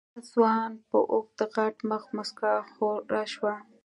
د ځوان په اوږد غټ مخ موسکا خوره شوه.